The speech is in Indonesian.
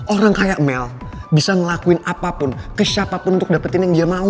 orang kayak mel bisa ngelakuin apapun ke siapapun untuk dapetin yang dia mau